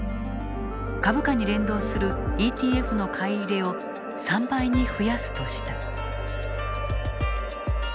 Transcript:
株価に連動するＥＴＦの買い入れを３倍に増やすとした。